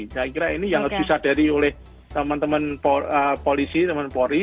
saya kira ini yang harus disadari oleh teman teman polisi teman teman polri